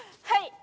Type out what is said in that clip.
はい！